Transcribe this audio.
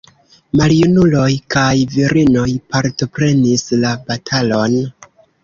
Maljunuloj kaj virinoj partoprenis la batalon.